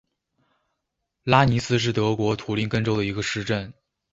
拉尼斯是德国图林根州的一个市镇。